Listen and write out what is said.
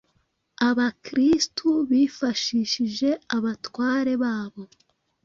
abakristu bifashishije abatware babo